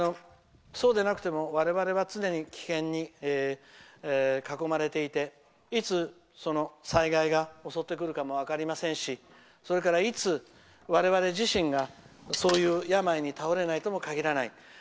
そうでなくても、我々は常に危険に囲まれていていつ災害が襲ってくるかも分かりませんしそれから、いつ我々自身が病に倒れないとも限らない。